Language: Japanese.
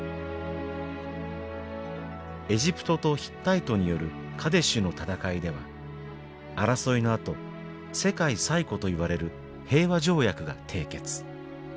エジプトとヒッタイトによるカデシュの戦いでは争いのあと世界最古といわれる平和条約が締結。